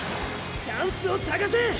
チャンスを探せ！